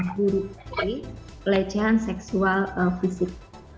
hidup di pelecehan seksual fisik